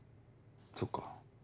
そっか。